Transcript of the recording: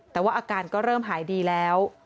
แต่ว่าอาการก็เริ่มหายดีแล้ว